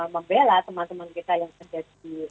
membela teman teman kita yang terjadi